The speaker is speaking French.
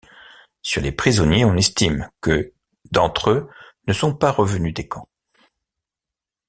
Sur les prisonniers, on estime que d'entre eux ne sont pas revenus des camps.